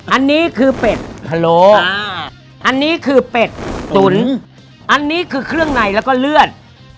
อันนี้คือเป็ดพะโลอันนี้คือเป็ดตุ๋นอันนี้คือเครื่องในแล้วก็เลือด